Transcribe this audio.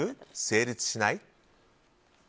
成立しない？